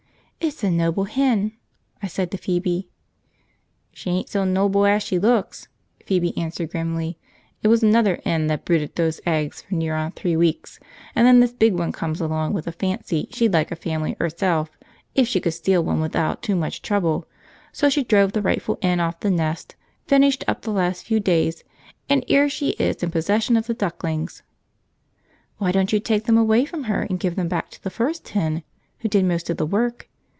"It's a noble hen!" I said to Phoebe. "She ain't so nowble as she looks," Phoebe answered grimly. "It was another 'en that brooded these eggs for near on three weeks and then this big one come along with a fancy she'd like a family 'erself if she could steal one without too much trouble; so she drove the rightful 'en off the nest, finished up the last few days, and 'ere she is in possession of the ducklings!" "Why don't you take them away from her and give them back to the first hen, who did most of the work?"